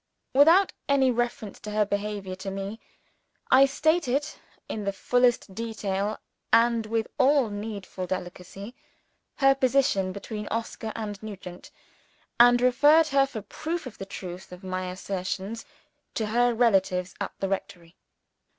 Without any reference to her behavior to me, I stated, in the fullest detail and with all needful delicacy, her position between Oscar and Nugent: and referred her for proof of the truth of my assertions to her relatives at the rectory.